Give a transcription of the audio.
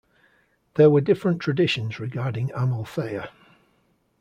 There were different traditions regarding Amalthea.